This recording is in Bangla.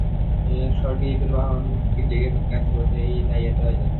স্বর্গে ইঁদুর-বাহন প্লেগ পাছে ওঠে, তাই এত আয়োজন।